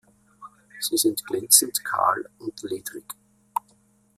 Sie sind glänzend, kahl und ledrig.